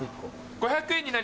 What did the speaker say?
５００円になります。